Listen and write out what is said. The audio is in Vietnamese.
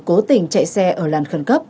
cố tình chạy xe ở làn khẩn cấp